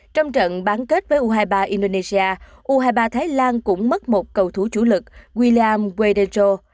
trong trận bán kết với u hai mươi ba indonesia u hai mươi ba thái lan cũng mất một cầu thủ chủ lực wilam wedecho